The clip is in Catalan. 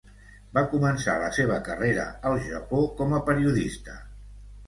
Va començar la seva carrera al Japó com a periodista.